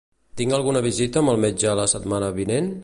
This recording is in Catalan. Tinc alguna visita amb el metge la setmana vinent?